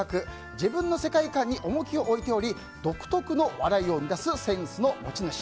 自分の世界観に重きを置いており独特の笑いを生み出すセンスの持ち主。